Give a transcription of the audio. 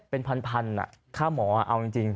เป็นพันค่าหมอเอาจริง